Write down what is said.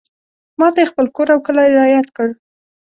ماته یې خپل کور او کلی رایاد کړ.